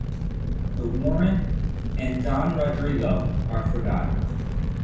The warrant, and Don Rodrigo, are forgotten.